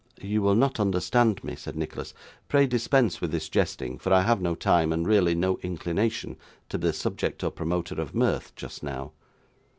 'You will not understand me,' said Nicholas. 'Pray dispense with this jesting, for I have no time, and really no inclination, to be the subject or promoter of mirth just now.